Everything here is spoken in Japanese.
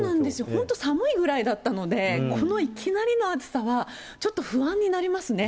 本当、寒いぐらいだったので、このいきなりの暑さは、ちょっと不安になりますね。